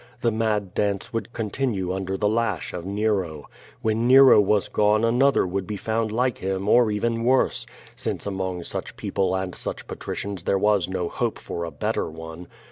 The mad dance would continue under the lash of Nero. When Nero was gone another would be found like him or even worse, since among such people and such patricians there was no hope for a better one.